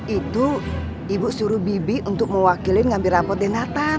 itu ibu suruh bibi untuk mewakili ngambil rapot deh natan